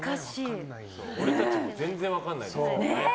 俺たちも全然分からないです。